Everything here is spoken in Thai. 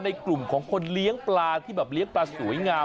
ในกลุ่มของคนเลี้ยงปลาที่แบบเลี้ยงปลาสวยงาม